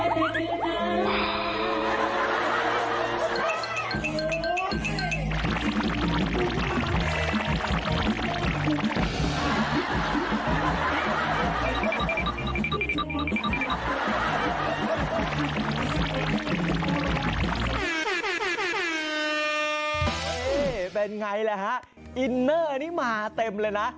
นี่เป็นไงล่ะฮะอินเนอร์นี่มาเต็มเลยนะ